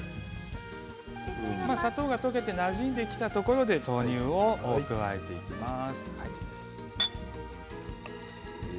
砂糖が溶けてなじんできたところで豆乳を加えていきます。